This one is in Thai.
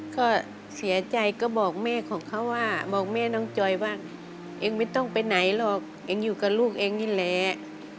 ก็เสียใจก็บอกแม่ของเขาว่าบอกแม่น้องจอยว่าเองไม่ต้องไปไหนหรอกเองอยู่กับลูกเองนี่แหละ